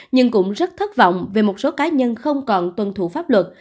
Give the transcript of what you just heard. nhưng cũng rất thất vọng về một số cá nhân không còn tuân thủ pháp luật